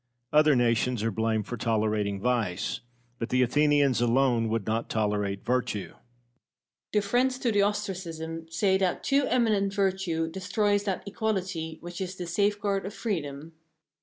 Other nations are blamed for tolerating vice, but the Athenians alone would not tolerate virtue. Pericles. The friends to the ostracism say that too eminent virtue destroys that equality which is the safeguard of freedom.